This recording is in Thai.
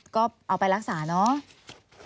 ก็เอาไปรักษาเนาะ